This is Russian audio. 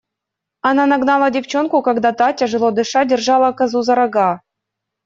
Она нагнала девчонку, когда та, тяжело дыша, держала козу за рога.